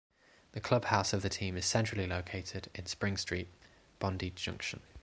The clubhouse of the team is centrally located in Spring Street, Bondi Junction.